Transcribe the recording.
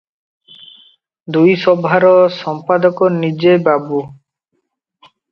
ଦୁଇ ସଭାର ସମ୍ପାଦକ ନିଜେ ବାବୁ ।